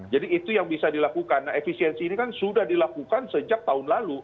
jadi itu yang bisa dilakukan nah efisiensi ini kan sudah dilakukan sejak tahun lalu